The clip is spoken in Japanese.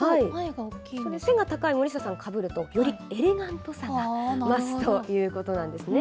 背が高い森下さんがかぶると、よりエレガントさが増すということなんですね。